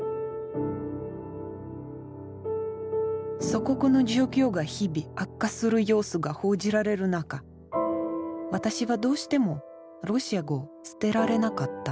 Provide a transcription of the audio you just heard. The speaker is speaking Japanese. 祖国の状況が日々悪化する様子が報じられる中私はどうしてもロシア語を捨てられなかった。